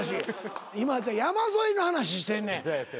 今山添の話してんねん。